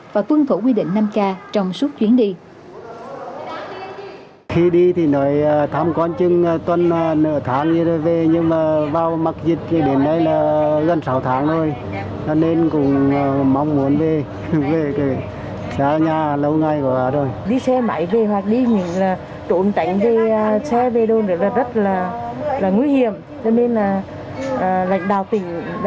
và tuân thủ quy định năm k trong suốt chuyến đi